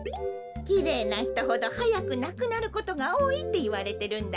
きれいなひとほどはやくなくなることがおおいっていわれてるんだよ。